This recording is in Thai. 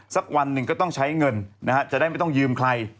สักวันหนึ่งก็ต้องใช้เงินนะฮะจะได้ไม่ต้องยืมใคร